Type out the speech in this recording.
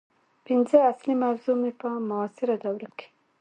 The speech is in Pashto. پنځمه اصلي موضوع مې په معاصره دوره کې